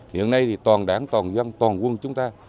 hiện nay thì toàn đảng toàn dân toàn quân chúng ta